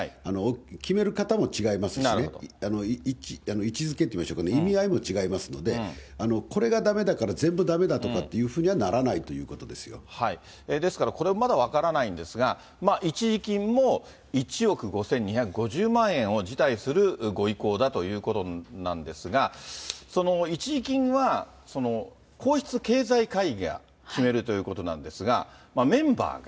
決める方も違いますしね、位置づけといいましょうかね、意味合いも違いますので、これがだめだから全部だめだとかというふうにはですから、これもまだ分からないんですが、一時金も１億５２５０万円を辞退するご意向だということなんですが、その一時金は、皇室経済会議が決めるということなんですが、メンバーが。